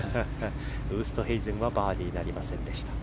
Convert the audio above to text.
ウーストヘイゼンはバーディーなりませんでした。